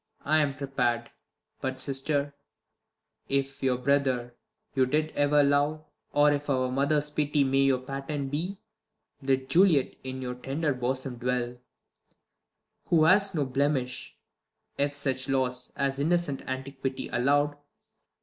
Claud. I am prepar'd : but sister, if Your brother you did ever love ; or if Our mother's pity may your pattern be, Let Juliet in your tender bosom dwell ; Who has no blemish, if such laws. As innocent antiquity allow'd.